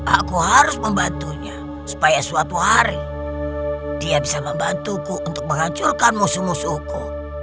aku harus membantunya supaya suatu hari dia bisa membantuku untuk menghancurkan musuh musuhku